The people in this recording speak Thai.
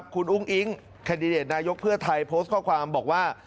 คุณอุ้งอิ๊งแคนดิเดตนายกเพื่อไทยโพสต์ข้อความบอกว่า